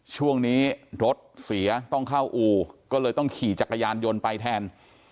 ช่วงนี้รถเสียต้องเข้าอู่ก็เลยต้องขี่จักรยานยนต์ไปแทน